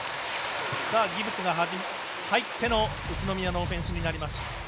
ギブスが入っての宇都宮のオフェンス。